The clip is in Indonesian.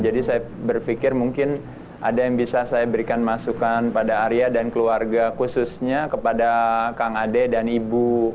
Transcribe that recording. jadi saya berpikir mungkin ada yang bisa saya berikan masukan pada aria dan keluarga khususnya kepada kang ade dan ibu